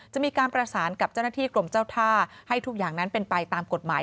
จะมีการประสานกับเจ้าหน้าที่กรมเจ้าท่าให้ทุกอย่างนั้นเป็นไปตามกฎหมาย